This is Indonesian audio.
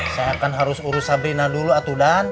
saya akan harus urus sabrina dulu atu dan